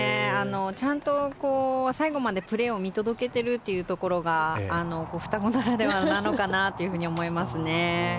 ちゃんと最後までプレーを見届けているところが双子ならではなのかなと思いますね。